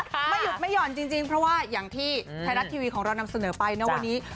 ไม่หยุดไม่ห่อนจริงเพราะว่าอย่างที่ไทยรัฐทีวีของเรานำเสนอไปนะวันนี้